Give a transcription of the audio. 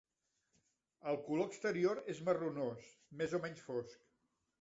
El color exterior és marronós, més o menys fosc.